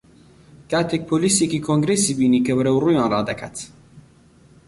کاتێک پۆلیسێکی کۆنگرێسی بینی کە بەرەو ڕوویان ڕادەکات